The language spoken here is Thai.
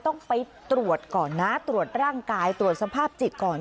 ต้องไปตรวจก่อนนะตรวจร่างกายตรวจสภาพจิตก่อน